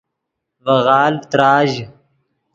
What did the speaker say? ڤے غالڤ تراژ